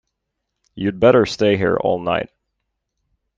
You'd better stay here all night.